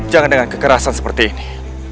jangan dengan kekerasan seperti ini